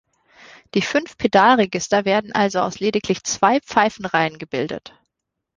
Die fünf Pedalregister werden also aus lediglich zwei Pfeifenreihen gebildet.